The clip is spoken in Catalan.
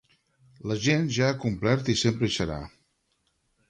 La gent ja ha complert i sempre hi serà.